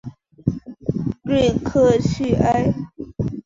瑞克叙埃。